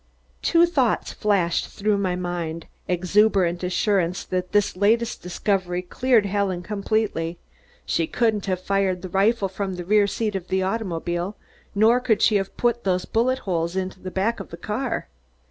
Two thoughts flashed through my mind, exuberant assurance that this latest discovery cleared Helen completely. She couldn't have fired a rifle from the rear seat of the automobile, nor could she have put those bullet holes into the back of the car.